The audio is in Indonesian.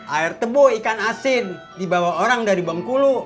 air tebu ikan asin dibawa orang dari bengkulu